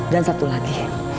dan satu lagi